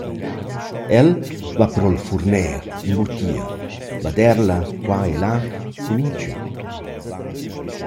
El va pro’l fuorner, in butia, baderla qua e là cun inchün.